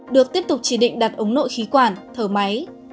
được tiếp tục chỉ định đặt ống nội khí quản thở máy